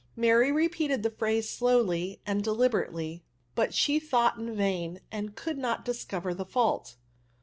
Maiy repeated the phrase slowly and de liberately, but she thought in vain, and could not discover the &tdt.